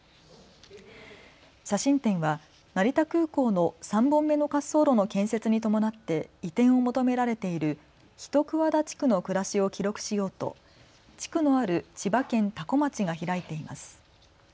写真展は成田空港の３本目の滑走路の建設に伴って移転を求められている一鍬田地区の暮らしを記録しようと地区のある千葉県多古町が開いています。